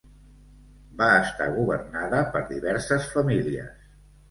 Va estar governada per diverses famílies.